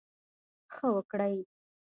ښه وکړٸ.